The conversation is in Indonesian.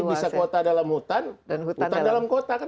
bisa kota dalam hutan hutan dalam kota